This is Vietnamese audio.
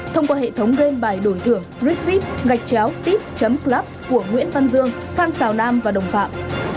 thông qua hệ thống game bài đổi thưởng gregpfith gạch chéo tip club của nguyễn văn dương phan xào nam và đồng phạm